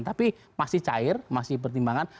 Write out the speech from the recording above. tapi masih cair masih pertimbangan